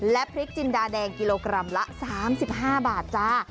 และพริกจินดาแดงกิโลกรัมละ๓๕บาทจ้า